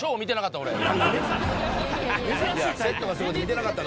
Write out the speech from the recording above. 「セットがすごくて見てなかった。